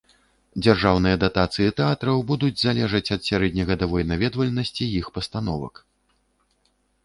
Дзяржаўныя датацыі тэатраў будуць залежаць ад сярэднегадавой наведвальнасці іх пастановак.